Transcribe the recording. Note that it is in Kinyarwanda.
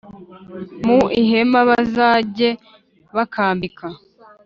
Mu ihema bazajye bakambika